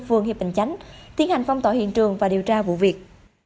phương hiệp bình chánh tiến hành phong tỏ hiện trường và điều tra vụ việc